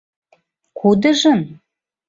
— Кудыжын?